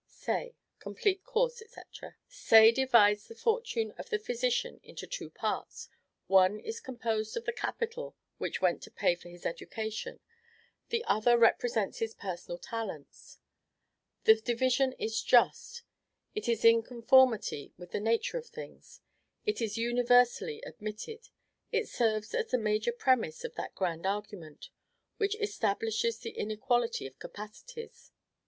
Say: Complete Course, &c. Say divides the fortune of the physician into two parts: one is composed of the capital which went to pay for his education, the other represents his personal talents. This division is just; it is in conformity with the nature of things; it is universally admitted; it serves as the major premise of that grand argument which establishes the inequality of capacities.